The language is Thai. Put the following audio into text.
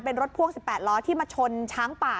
เป็นรถพ่วง๑๘ล้อที่มาชนช้างป่า